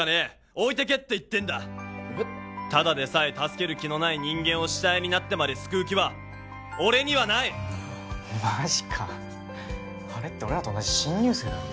置いてけって言ってんだただでさえ助ける気のない人間を死体になってまで救う気は俺にはないマジかあれって俺らと同じ新入生だろ？